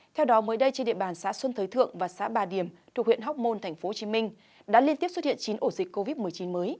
theo đó mới đây trên địa bàn xã xuân thới thượng và xã bà điểm thuộc huyện hóc môn tp hcm đã liên tiếp xuất hiện chín ổ dịch covid một mươi chín mới